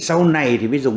sau này thì mới dùng